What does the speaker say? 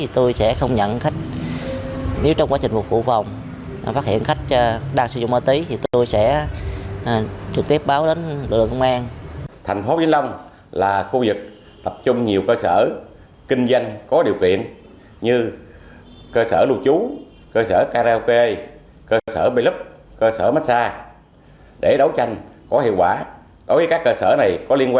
tôi sẽ không nhận khách nếu trong quá trình phụ phòng phát hiện khách đang sử dụng ma túy